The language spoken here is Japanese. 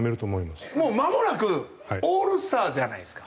もうまもなくオールスターじゃないですか。